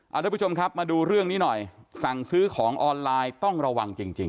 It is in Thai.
ทุกผู้ชมครับมาดูเรื่องนี้หน่อยสั่งซื้อของออนไลน์ต้องระวังจริงจริง